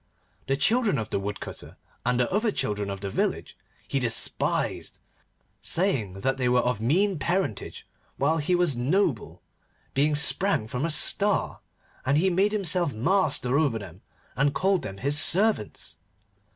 The children of the Woodcutter, and the other children of the village, he despised, saying that they were of mean parentage, while he was noble, being sprang from a Star, and he made himself master over them, and called them his servants.